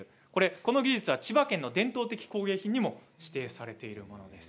この技術は千葉県の伝統的工芸品にも指定されているものです。